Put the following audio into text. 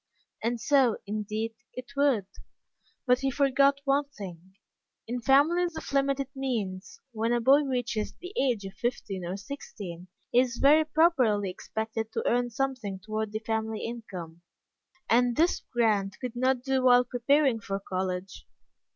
And so, indeed, it would. But he forgot one thing. In families of limited means, when a boy reaches the age of fifteen or sixteen he is very properly expected to earn something toward the family income, and this Grant could not do while preparing for college.